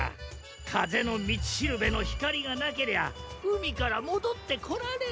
かぜのみちしるべのひかりがなけりゃうみからもどってこられん。